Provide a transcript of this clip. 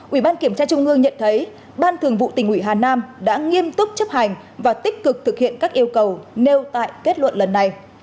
ubthv trung ương nhận thấy ban thường vụ tình ủy hà nam đã nghiêm túc chấp hành và tích cực thực hiện các yêu cầu nêu tại kết luận lần này